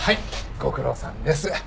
ご苦労さんです。